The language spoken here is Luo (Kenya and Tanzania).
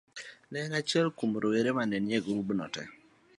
Ne en achiel kuom rowere ma ne nie grubno te.